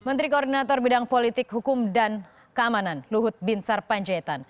menteri koordinator bidang politik hukum dan keamanan luhut binsar panjaitan